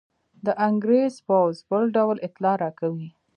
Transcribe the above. د انګرېز پوځ بل ډول اطلاع راکوي.